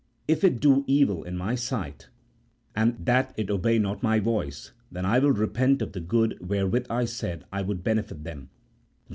If it do evil in my sight, that it obey not my voice, then I will repent of the good where with I said I would benefit them" (Jer.